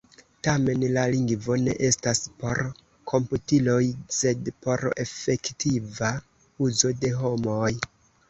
Tamen, la lingvo ne estas por komputiloj sed por efektiva uzo de homoj.